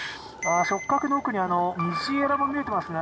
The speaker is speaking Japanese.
触角の奥に二次鰓も見えてますね。